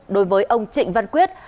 đối với ông trịnh văn quyết